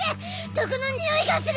毒のにおいがする。